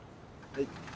はい。